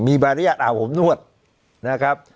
มีใบอนุญาตอาบอบนวดนะครับ